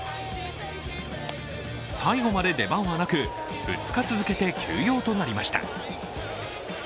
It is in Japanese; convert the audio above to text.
最後まで出番はなく２日続けて休養となりました。